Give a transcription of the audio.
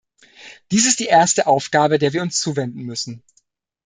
Dies ist die erste Aufgabe, der wir uns zuwenden müssen.